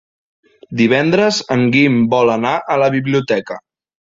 Divendres en Guim vol anar a la biblioteca.